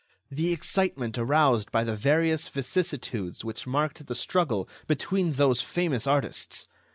The excitement aroused by the various vicissitudes which marked the struggle between those famous artists!